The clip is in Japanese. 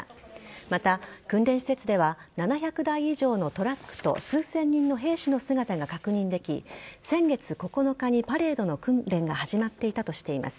また、訓練施設では７００台以上のトラックと数千人の兵士の姿が確認でき、先月９日にパレードの訓練が始まっていたとしています。